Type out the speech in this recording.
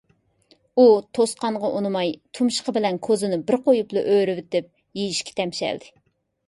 ئۇ توسقانغا ئۇنىماي، تۇمشۇقى بىلەن كوزىنى بىر قويۇپلا ئۆرۈۋېتىپ، يېيىشكە تەمشەلدى.